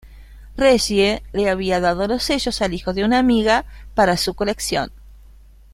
Reggie le había dado los sellos al hijo de una amiga para su colección.